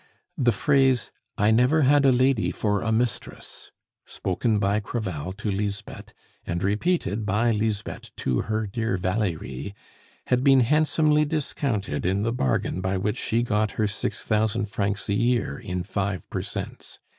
The phrase "I never had a lady for a mistress," spoken by Crevel to Lisbeth, and repeated by Lisbeth to her dear Valerie, had been handsomely discounted in the bargain by which she got her six thousand francs a year in five per cents.